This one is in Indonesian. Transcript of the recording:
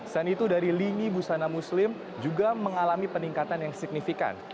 selain itu dari lini busana muslim juga mengalami peningkatan yang signifikan